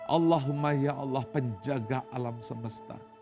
allahumma ya allah penjaga alam semesta